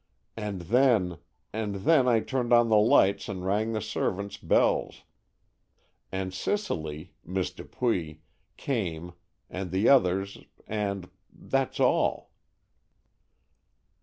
And then—and then I turned on the lights and rang the servants' bells, and Cicely—Miss Dupuy—came, and the others, and—that's all."